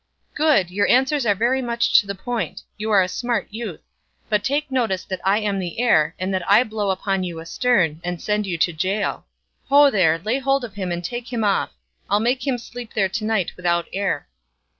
"Good! your answers are very much to the point; you are a smart youth; but take notice that I am the air, and that I blow upon you a stern, and send you to gaol. Ho there! lay hold of him and take him off; I'll make him sleep there to night without air."